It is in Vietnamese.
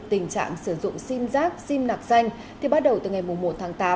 tình trạng sử dụng sim giác sim nạc danh thì bắt đầu từ ngày một tháng tám